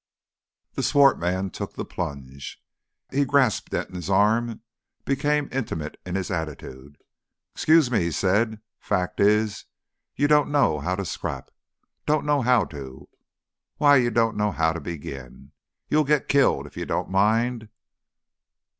The swart man took the plunge. He grasped Denton's arm, became intimate in his attitude. "'Scuse me," he said. "Fact is, you done know 'ow to scrap. Done know 'ow to. Why you done know 'ow to begin. You'll get killed if you don't mind.